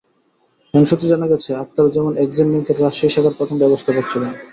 Bank সূত্রে জানা গেছে, আক্তারুজ্জামান এক্সিম ব্যাংকের রাজশাহী শাখার প্রথম ব্যবস্থাপক ছিলেন।